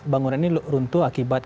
bangunan ini runtuh akibat